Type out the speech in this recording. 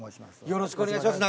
よろしくお願いします